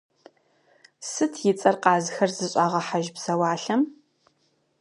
Сыт и цӏэр къазхэр зыщӀагъэхьэж псэуалъэм?